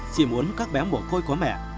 chị muốn các bé mổ côi có mẹ